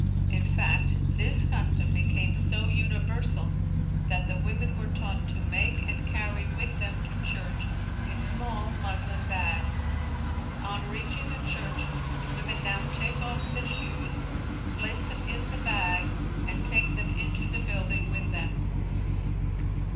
In fact this custom became so universal that the women were taught to make and carry with them to church a small muslin bag. On reaching the church the women now take off their shoes, place them in the bag, and take them into the building with them.